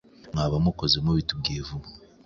mwaba mukoze mubitubwiye vuba